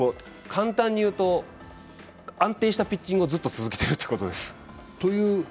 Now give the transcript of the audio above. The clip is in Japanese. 簡単に言うと安定なピッチングをずっと続けているということです。